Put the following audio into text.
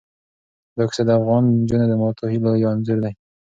دا کیسه د افغان نجونو د ماتو هیلو یو انځور دی.